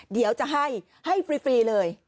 เดี๋ยวจะให้ให้ฟรีเลย